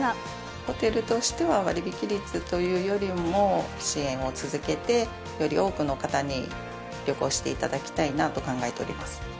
ホテルとしては、割引率というよりも支援を続けて、より多くの方に旅行していただきたいなと考えております。